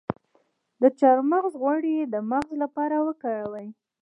د چارمغز غوړي د مغز لپاره وکاروئ